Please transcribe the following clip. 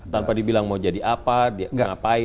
tanpa dibilang mau jadi apa ngapain